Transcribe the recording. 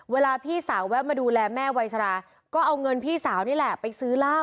เวลาพี่สาวแวะมาดูแลแม่วัยชราก็เอาเงินพี่สาวนี่แหละไปซื้อเหล้า